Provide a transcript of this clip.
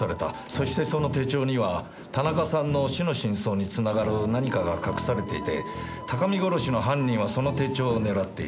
そしてその手帳には田中さんの死の真相に繋がる何かが隠されていて高見殺しの犯人はその手帳を狙っている。